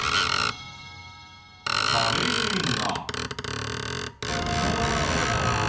カレーが。